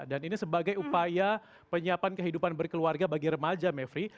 dan ini sebagai upaya penyiapan kehidupan berkeluarga bagi remaja mevri